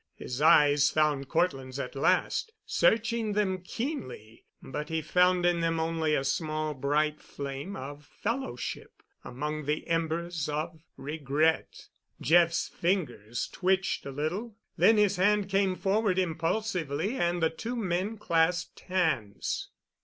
His eyes found Cortland's at last, searching them keenly, but he found in them only a small bright flame of fellowship among the embers of regret. Jeff's fingers twitched a little, then his hand came forward impulsively, and the two men clasped hands.